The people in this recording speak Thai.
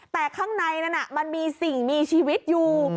แต่ข้างในนั้นมันมีสิ่งมีชีวิตอยู่